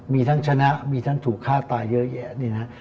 มีทั้งชนะมีทั้งถูกฆ่าตายเยอะแยะเนี่ยนะ